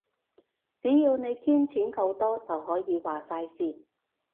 只要你捐錢夠多，就可以話晒事